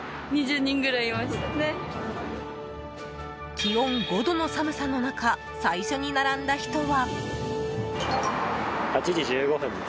気温５度の寒さの中最初に並んだ人は。